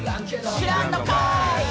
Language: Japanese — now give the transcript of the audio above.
知らんのかい